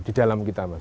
di dalam kita